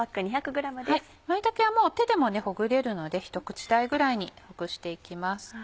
舞茸はもう手でもほぐれるのでひと口大ぐらいにほぐして行きます。